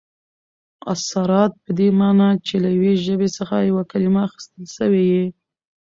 اثرات په دې مانا، چي له یوې ژبي څخه یوه کلیمه اخستل سوې يي.